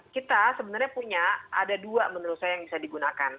kita sebenarnya punya ada dua menurut saya yang bisa digunakan